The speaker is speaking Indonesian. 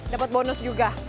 dapat bonus juga